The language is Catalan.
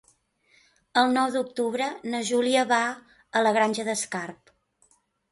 El nou d'octubre na Júlia va a la Granja d'Escarp.